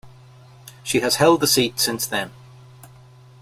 She has held the seat since then.